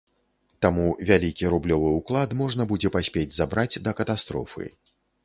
Таму вялікі рублёвы ўклад можна будзе паспець забраць да катастрофы.